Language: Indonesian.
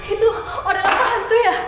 itu orang hantu ya